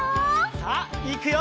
さあいくよ！